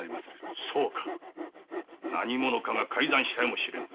そうか何者かが手を加えたやもしれぬ。